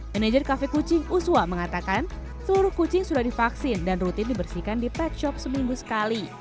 manajer cafe kucing uswa mengatakan seluruh kucing sudah divaksin dan rutin dibersihkan di pet shop seminggu sekali